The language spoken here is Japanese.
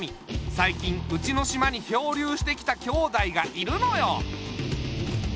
さいきんうちの島に漂流してきた兄妹がいるのよ。